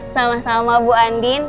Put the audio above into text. sama sama bu andien